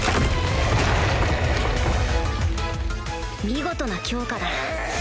見事な強化だ